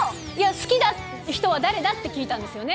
好きな人は誰だって聞いたんですよね？